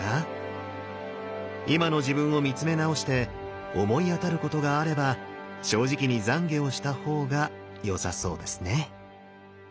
今の自分を見つめ直して思い当たることがあれば正直に懺悔をした方がよさそうですね。